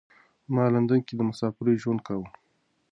ما لندن کې د مسافرۍ ژوند کاوه.